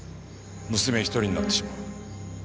娘一人になってしまう。